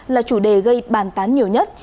là chủ đề gây bàn tán nhiều nhất